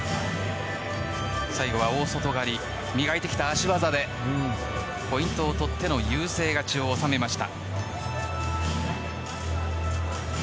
最後は大外刈り磨いてきた足技でポイントを取っての優勢勝ちを収めました。